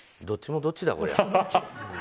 どっちもどっちだ、こりゃ。